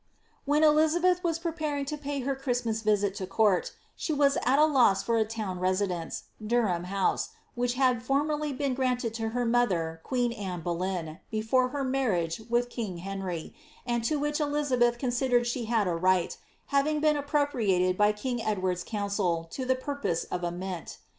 "* When Elizabeth was preparing to pay her Christmas visit to court, she was at a loss for a town residence, Durham house, which had for merly been granted to her mother, queen Anne Boleyn, before her mar riage with king Henr}', and to which Elizabeth considered she had a right, having been appropriated by king Edward's council to the pur pose of a mint.